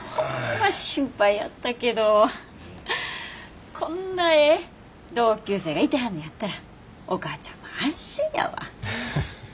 心配やったけどこんなええ同級生がいてはんのやったらお母ちゃんも安心やわ。